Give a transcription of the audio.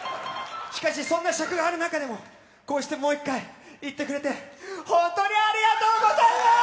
しかしそんな尺がある中でもこうしてもう１回言ってくれて本当にありがとうございます！